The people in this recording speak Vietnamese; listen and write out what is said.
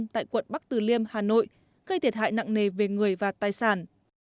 tại quận bắc từ liêm hà nội gây thiệt hại nặng nề về người và tài sản